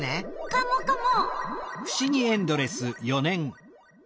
カモカモ。